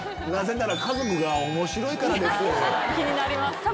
なぜなら家族がおもしろいからで気になります。